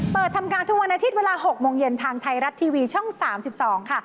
เปิดทำการทุกวันอาทิตย์เวลา๖โมงเย็นทางไทยรัฐทีวีช่อง๓๒ค่ะ